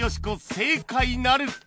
正解なるか？